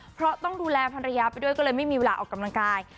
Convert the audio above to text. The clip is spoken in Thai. เพราะต้องดูแลภรรยาไปด้วยก็เลยไม่มีเวลาออกกำลังกาย